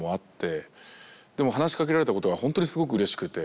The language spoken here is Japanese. でも話しかけられたことがほんとにすごくうれしくて。